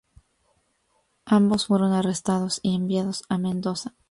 Ambos fueron arrestados y enviados a Mendoza.